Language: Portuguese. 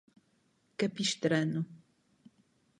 Capistrano